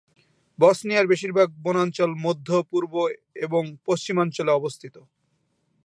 বসনিয়ার বেশিরভাগ বনাঞ্চল মধ্য, পূর্ব এবং পশ্চিমাঞ্চলে অবস্থিত।